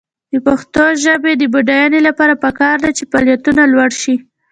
د پښتو ژبې د بډاینې لپاره پکار ده چې فعالیتونه لوړ شي.